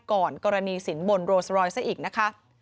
ก่อนกรณีสินบนโรสรอยซะอีกนะคะ